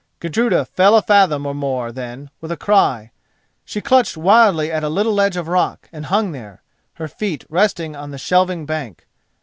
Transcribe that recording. Gudruda fell a fathom or more, then, with a cry, she clutched wildly at a little ledge of rock, and hung there, her feet resting on the shelving bank.